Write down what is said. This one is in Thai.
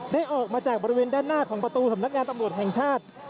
ออกมาจากบริเวณด้านหน้าของประตูสำนักงานตำรวจแห่งชาติ